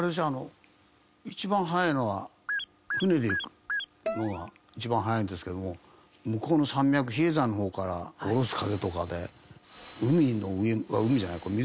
あの一番早いのは船で行くのが一番早いんですけども向こうの山脈比叡山の方からおろし風とかで海の上あっ海じゃない。